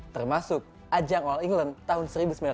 termasuk ajang all england tahun seribu sembilan ratus sembilan puluh